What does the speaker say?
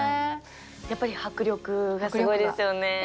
やっぱり迫力がすごいですよね。